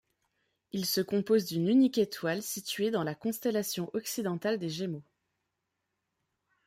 Il se compose d'une unique étoile située dans la constellation occidentale des Gémeaux.